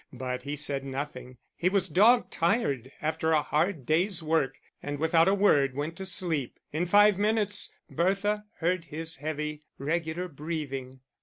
But he said nothing; he was dog tired after a hard day's work, and without a word went to sleep in five minutes Bertha heard his heavy, regular breathing.